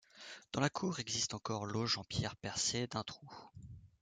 Dans la cour existe encore l’auge en pierre percée d’un trou.